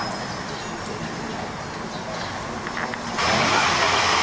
สวัสดีครับ